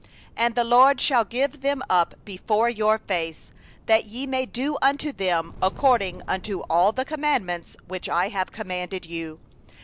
5And the LORD will deliver them up before you, and ye shall do unto them according unto all the commandment which I have commanded you.